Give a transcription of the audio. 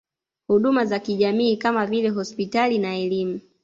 Huduma za kijamii kama vile hospitali na elimu